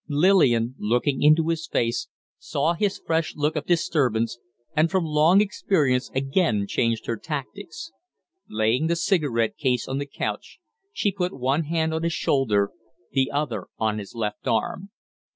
Lillian, looking into his face, saw his fresh look of disturbance, and from long experience again changed her tactics. Laying the cigarette case on the couch, she put one hand on his shoulder, the other on his left arm.